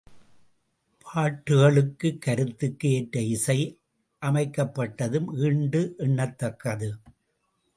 பாட்டுகளுக்குக் கருத்துக்கு ஏற்ற இசை அமைக்கப்பட்டதும் ஈண்டு எண்ணத்தக்கது.